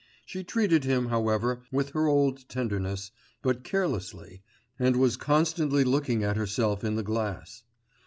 She treated him, however, with her old tenderness, but carelessly, and was constantly looking at herself in the glass.